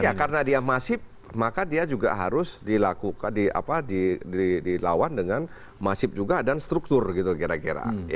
ya karena dia masif maka dia juga harus dilakukan dengan masif juga dan struktur gitu kira kira